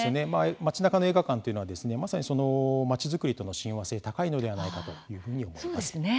街なかの映画館というのはまさに、その街づくりとの親和性高いのではないかというふうに思います。